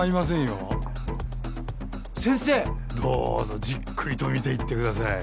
どうぞじっくりと見ていってください。